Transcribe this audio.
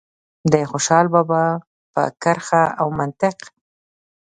د خوشال بابا په کرښه او منطق.